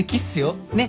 ねっ？